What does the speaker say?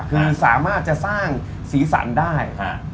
คือสามารถจะสร้างสีสันได้